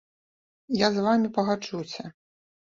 Я з вамі пагаджуся.